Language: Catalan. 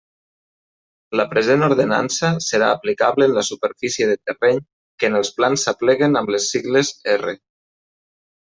La present ordenança serà aplicable en la superfície de terreny que en els plans s'arrepleguen amb les sigles R.